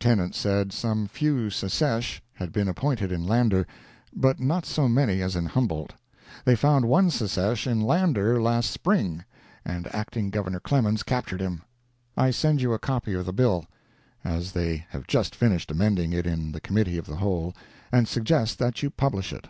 Tennant said some few secesh had been appointed in Lander, but not so many as in Humboldt—they found one secesh in Lander last spring, and Acting Governor Clemens captured him. I send you a copy of the bill, as they have just finished amending it in the Committee of the Whole, and suggest that you publish it.